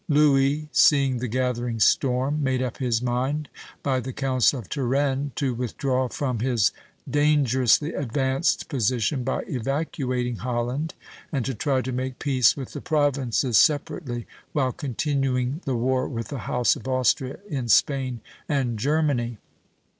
Louis, seeing the gathering storm, made up his mind, by the counsel of Turenne, to withdraw from his dangerously advanced position by evacuating Holland, and to try to make peace with the Provinces separately while continuing the war with the House of Austria in Spain and Germany.